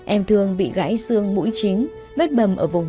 em thương bị gãy xương mũi chính vết bầm ở vùng